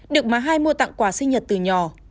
được mà hai mua tặng quà sinh nhật từ nhỏ